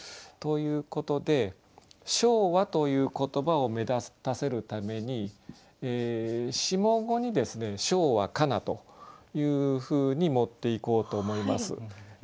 ということで「唱和」という言葉を目立たせるために下五に「唱和かな」というふうに持っていこうと思います。